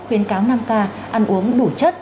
khuyến cáo năm k ăn uống đủ chất